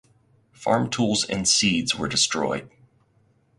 Farm tools and seeds were destroyed.